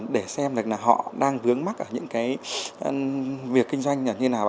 để xem là họ đang vướng mắt ở những việc kinh doanh như thế nào